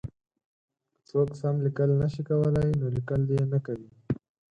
که څوک سم لیکل نه شي کولای نو لیکل دې نه کوي.